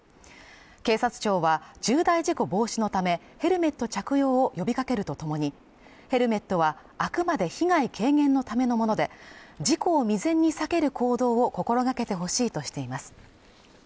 警察庁は重大事故防止のためヘルメット着用を呼びかけるとともにヘルメットはあくまで被害軽減のためのもので事故を未然に避ける行動を心がけてほしいとしています